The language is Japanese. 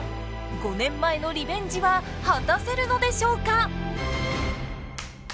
５年前のリベンジは果たせるのでしょうか。